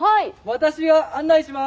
私が案内します！